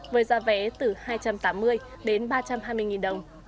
với giá vé từ hai trăm tám mươi đến ba trăm hai mươi đồng